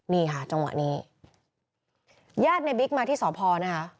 นี่ค่ะจังหวะนี้ญาติในบิ๊กมาที่สพนะคะ